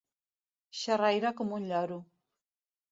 Xerraire com un lloro.